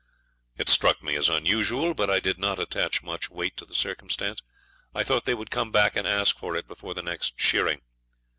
'It struck me as unusual, but I did not attach much weight to the circumstance. I thought they would come back and ask for it before the next shearing.